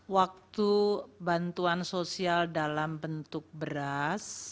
waktu bantuan sosial dalam bentuk beras